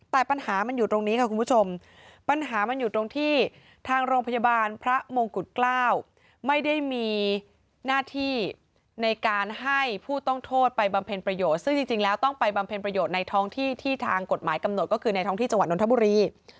แต่ปัญหามันอยู่ตรงนี้ค่ะคุณผู้ชมปัญหามันอยู่ตรงที่ทางโรงพยาบาลพระมงกุฎเกล้าไม่ได้มีหน้าที่ในการให้ผู้ต้องโทษไปบำเพ็ญประโยชน์ซึ่งจริงแล้วต้องไปบำเพ็ญประโยชน์ในท้องที่ที่ทางกฎหมายกำหนดก็คือในท้องที่จังหวัดนทบุรี